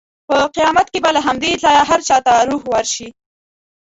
په قیامت کې به له همدې ځایه هر چا ته روح ورشي.